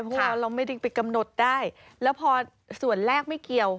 เพราะว่าเราไม่ได้ไปกำหนดได้แล้วพอส่วนแรกไม่เกี่ยว